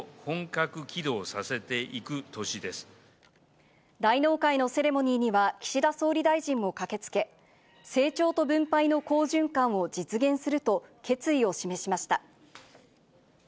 来年は新しい資本主義を本格大納会のセレモニーには、岸田総理大臣も駆けつけ、成長と分配の好循環を実現すると決意を示しました。